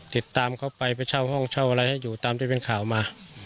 ติดตามเขาไปไปเช่าห้องเช่าอะไรให้อยู่ตามที่เป็นข่าวมา